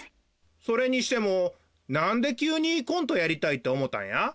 それにしてもなんできゅうにコントやりたいっておもたんや？